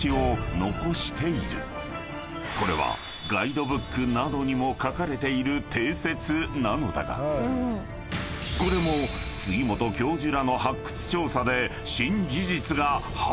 ［これはガイドブックなどにも書かれている定説なのだがこれも杉本教授らの］